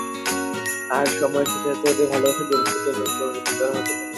আর সময়ের সাথে সাথে, ওদের ভালোবাসা গভীর থেকে গভীরতর হতে থাকে।